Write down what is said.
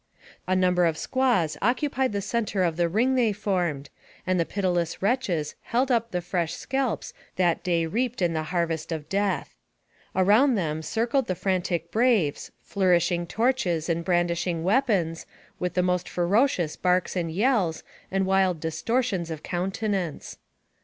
A number of squaws occupied the center of the ring they formed, and the pitiless wretches held up the fresh scalps that day reaped in the harvest of death. Around them circled the frantic braves, flourishing torches, and brandishing weapons, with the most fero cious barks and yells, and wild distortions of coun tenance.